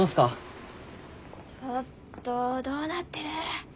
ちょっとどうなってる？